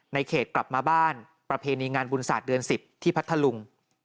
ในเขตกลับมาบ้านประเพณีงานบุญศาสตร์เดือน๑๐ที่พัทธลุง